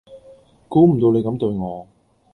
估唔到你咁對我